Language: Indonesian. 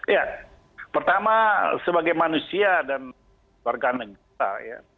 ya pertama sebagai manusia dan warga negara ya